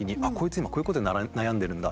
今こういうことで悩んでるんだ。